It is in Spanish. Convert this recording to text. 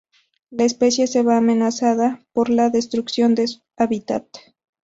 La especie se ve amenazada por la destrucción de hábitat.